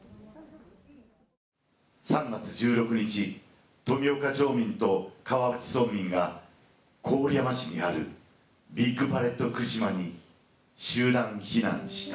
「三月十六日富岡町民と川内村民が郡山市にあるビッグパレットふくしまに集団避難した」。